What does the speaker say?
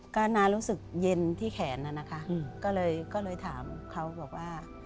ก็น้ารู้สึกเย็นที่แขนน่ะนะคะก็เลยก็เลยถามเขาบอกว่า